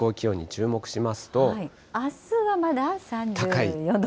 あすはまだ３４度。